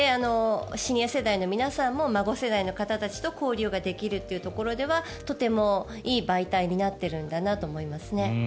シニア世代の皆さんも孫世代の方たちと交流ができるというところではとてもいい媒体になっているんだなと思いますね。